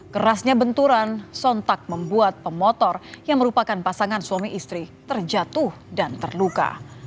kerasnya benturan sontak membuat pemotor yang merupakan pasangan suami istri terjatuh dan terluka